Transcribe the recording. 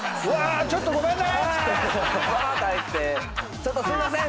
ちょっとすいません！